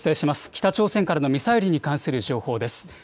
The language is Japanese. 北朝鮮からのミサイルに関する情報です。